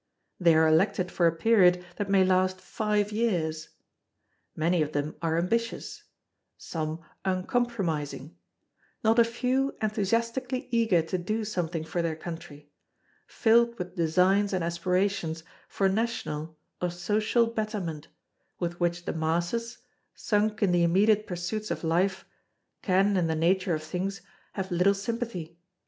They are elected for a period that may last five years. Many of them are ambitious; some uncompromising; not a few enthusiastically eager to do something for their country; filled with designs and aspirations for national or social betterment, with which the masses, sunk in the immediate pursuits of life, can in the nature of things have little sympathy.